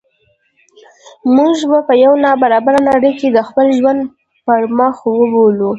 موږ په یوه نا برابره نړۍ کې د خپل ژوند پرمخ بوولو.